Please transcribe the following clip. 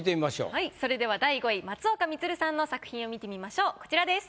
はいそれでは第５位松岡充さんの作品を見てみましょうこちらです。